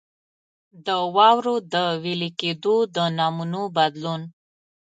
د واورو د وېلې کېدو د نمونو بدلون.